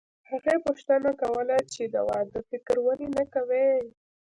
هغې پوښتنه کوله چې د واده فکر ولې نه کوې